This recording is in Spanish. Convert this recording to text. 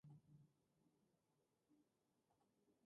Otras reseñas fueron completamente positivas.